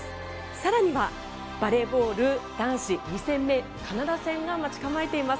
更にはバレーボール男子２戦目カナダ戦が待ち構えています。